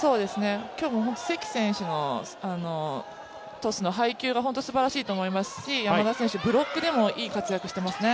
今日も本当に関選手のトスの配球が本当にすばらしいと思いますし山田選手、ブロックでもいい活躍していますね。